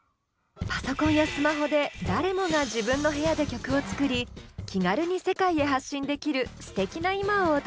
パソコンやスマホで誰もが自分の部屋で曲を作り気軽に世界へ発信できるすてきな今をお届け！